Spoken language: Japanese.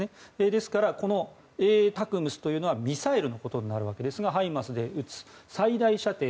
ですからＡＴＡＣＭＳというのはミサイルのことですがハイマースで撃つ最大射程